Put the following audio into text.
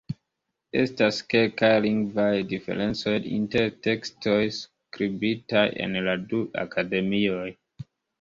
Estas kelkaj lingvaj diferencoj inter tekstoj skribitaj en la du akademioj.